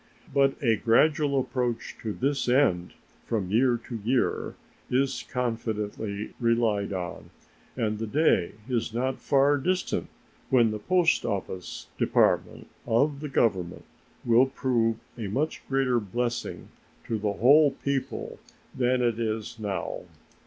But a gradual approach to this end from year to year is confidently relied on, and the day is not far distant when the Post Office Department of the Government will prove a much greater blessing to the whole people than it is now.